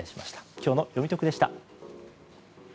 今日のよみトクでした。